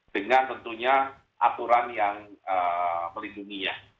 dengan tentunya aturan yang melindunginya